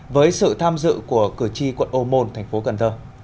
với sự tham dự của cử tri quận ô môn tp cần thơ